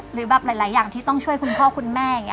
หรือประมาณหลายอย่างที่ต้องช่วยคุณพ่อคุณแม่